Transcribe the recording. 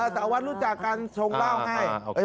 แต่ว่ารู้จักการทรงเล่าให้